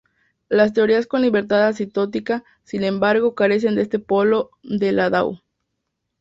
Las teorías con libertad asintótica, sin embargo, carecen de este polo de Landau.